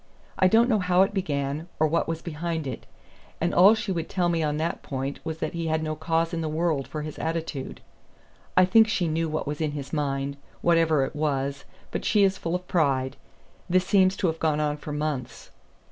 I don't know how it began or what was behind it; and all she would tell me on that point was that he had no cause in the world for his attitude. I think she knew what was in his mind, whatever it was; but she is full of pride. This seems to have gone on for months.